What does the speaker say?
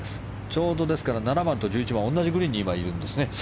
ちょうど７番と１１番同じグリーンに今いるんですね。